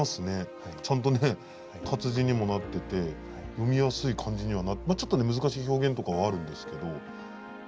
活字にもなってて読みやすい漢字にはちょっとね難しい表現とかはあるんですけど。